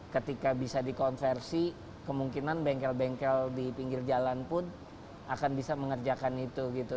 ketika bisa dikonversi kemungkinan bengkel bengkel di pinggir jalan pun akan bisa mengerjakan itu gitu